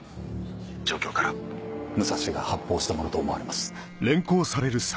状況から武蔵が発砲したものと思われます。